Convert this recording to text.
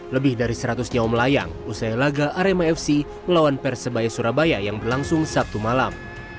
lebih dari seratus nyawa melayang usai laga arema fc melawan persebaya surabaya yang berlangsung sabtu malam